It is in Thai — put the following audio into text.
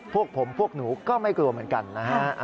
พวกผมพวกหนูก็ไม่กลัวเหมือนกันนะฮะ